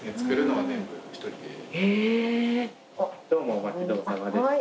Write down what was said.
お待ちどおさまでした。